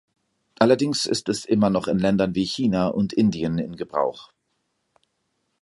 Allerdings ist es immer noch in Ländern wie China und Indien in Gebrauch.